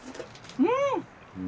うん。